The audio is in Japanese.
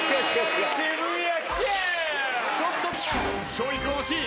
勝利君惜しい。